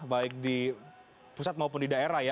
baik di pusat maupun di daerah ya